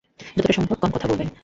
যতটা সম্ভব কম কথা বলবে।